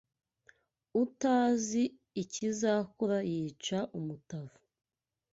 Utazi ikizakura yica umutavu